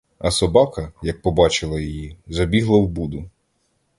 А собака, як побачила її, забігла в буду.